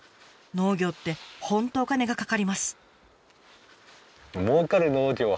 農業って本当お金がかかります。